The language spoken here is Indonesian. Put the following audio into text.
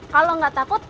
kalau gak takut